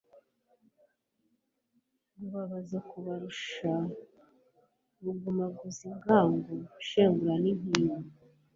Rubabaza kubarusha rugumaguza ingango shenguraninkindi